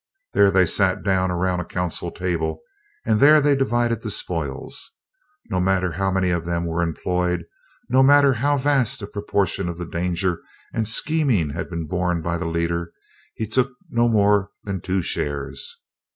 There they sat down around a council table, and there they divided the spoils. No matter how many were employed, no matter how vast a proportion of the danger and scheming had been borne by the leader, he took no more than two shares.